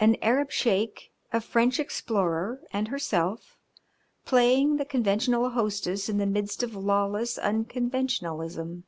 An Arab Sheik, a French explorer, and herself playing the conventional hostess in the midst of lawless unconventionalism.